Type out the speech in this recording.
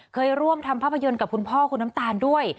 เคยร่วมทำภาพยนตร์กับคุณพ่อคุณน้ำตาลด้วย